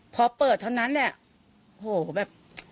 พอเปิดเท่านั้นเนี่ยโหแบบ